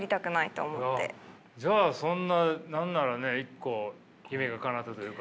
じゃあそんな何ならね一個夢がかなったというか。